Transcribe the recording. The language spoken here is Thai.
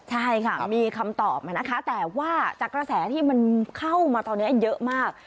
ใช่ค่ะมีคำตอบมานะคะแต่ว่าจากกระแสที่มันเข้ามาตอนนี้เยอะมาก